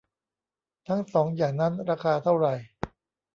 ทั้งสองอย่างนั้น ราคาเท่าไหร ?